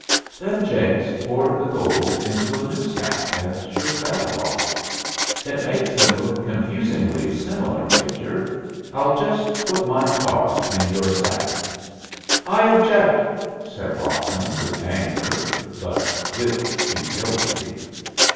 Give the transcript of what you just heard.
Then Jenks poured the gold into a new sack and shook that aloft. "It makes them look confusingly similar, Major. I'll just put my card in your sack." "I object," said Rocklin, with anger, but with futility.